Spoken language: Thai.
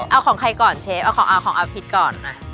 เอาของใครก่อนเชฟเอาของเอาผิดก่อน